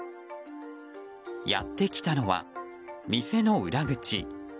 やってきたのは店の裏口。